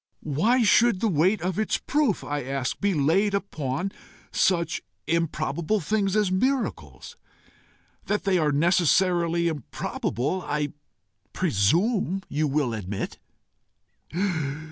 "Why should the weight of its proof, I ask, be laid upon such improbable things as miracles? That they are necessarily improbable, I presume you will admit."